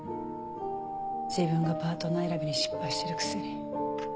自分がパートナー選びに失敗してるくせに。